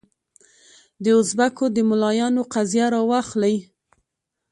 دوزبکو د ملایانو قضیه راواخلې.